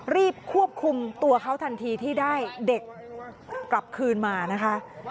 รีบควบคุมตัวเขาทันทีที่ได้เด็กกลับคืนมานะคะ